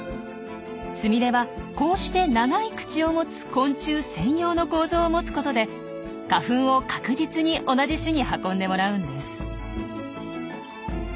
スミレはこうして長い口を持つ昆虫専用の構造を持つことで花粉を確実に同じ種に運んでもらうんです。